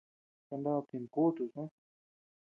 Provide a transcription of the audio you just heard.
Kanad tinu kutu su.